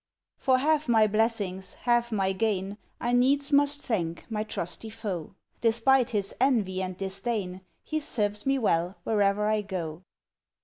For half my blessings, half my gain, I needs must thank my trusty foe; Despite his envy and disdain, He serves me well where'er I go.